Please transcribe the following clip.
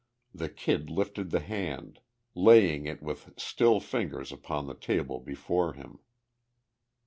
The Kid lifted the hand, laying it with still fingers upon the table before him.